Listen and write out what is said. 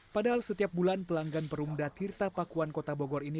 padahal setiap bulan pelanggan perumda tirta pakuan kota bogor ini